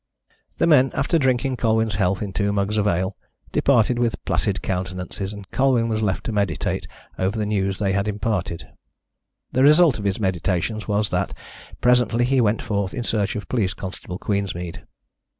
The men, after drinking Colwyn's health in two mugs of ale, departed with placid countenances, and Colwyn was left to meditate over the news they had imparted. The result of his meditations was that he presently went forth in search of Police Constable Queensmead.